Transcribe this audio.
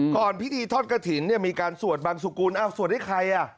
ก่อนพิธีทศกฐินมีการสวดบางสุกรุณสวดให้ใคร